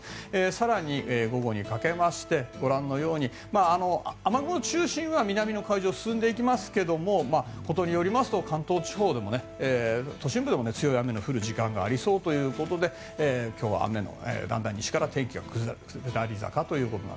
更に午後にかけましてご覧のように雨雲中心は南の海上に進んでいきますがことによりますと関東地方でも、都心部でも強い雨の降る時間がありそうということで今日は雨の西からだんだん天気が下り坂と。